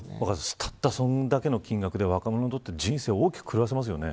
たったそれだけの金額で若者の人生を大きく狂わせますよね。